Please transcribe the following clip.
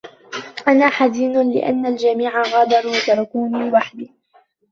أنا حزين لأن الجميع غادر و تركني لوحدي.